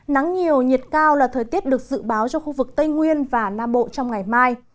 nắng nhiều nhiệt cao là thời tiết được dự báo cho khu vực tây nguyên và nam bộ trong ngày mai